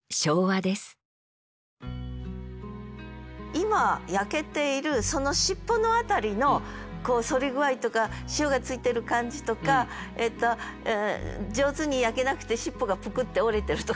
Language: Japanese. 今焼けているしっぽのあたりの反り具合とか塩がついてる感じとか上手に焼けなくてしっぽがぷくって折れてるとか。